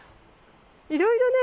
いろいろね